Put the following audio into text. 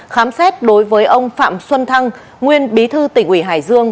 khám xét đối với ông phạm xuân thăng nguyên bí thư tỉnh ủy hải dương